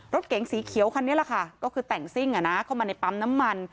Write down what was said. รถเก๋งสีเขียวคันนี้แหละค่ะก็คือแต่งซิ่งเข้ามาในปั๊มน้ำมัน